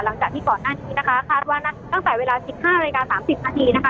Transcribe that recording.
หลังจากที่ก่อนหน้านี้นะคะคาดว่าตั้งแต่เวลาสิบห้านาฬิกาสามสิบนาทีนะคะ